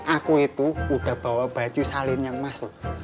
aku itu udah bawa baju salin yang masuk